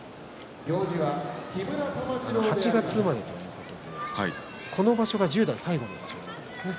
８月生まれということでこの場所が１０代最後の場所ですね。